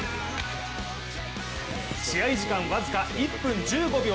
試合時間僅か１分１５秒。